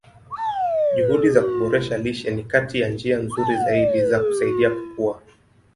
Juhudi za kuboresha lishe ni kati ya njia nzuri zaidi za kusaidia kukua.